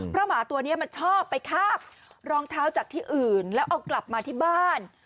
เพราะหมาตัวนี้มันชอบไปคาบรองเท้าจากที่อื่นแล้วเอากลับมาที่บ้าน